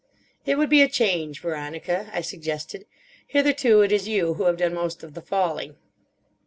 "It would be a change, Veronica," I suggested. "Hitherto it is you who have done most of the falling."